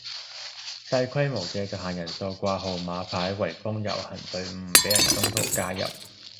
細規模嘅就限人數掛號碼牌圍封遊行隊伍唔俾人中途加入